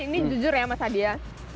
ini jujur ya mas adia